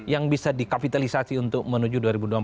yang bisa dikapitalisasi untuk menuju dua ribu dua puluh empat